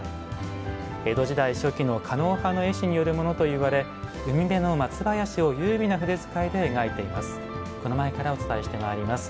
江戸時代初期の狩野派の絵師によるものといわれ海辺の松林を優美な筆遣いで描いています。